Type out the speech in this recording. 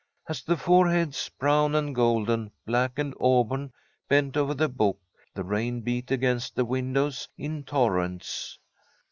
As the four heads, brown and golden, black and auburn, bent over the book, the rain beat against the windows in torrents.